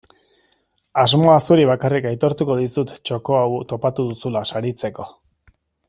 Asmoa zuri bakarrik aitortuko dizut txoko hau topatu duzula saritzeko.